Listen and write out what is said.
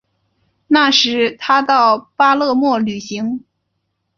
那时他到巴勒莫旅行。